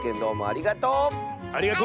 ありがとう！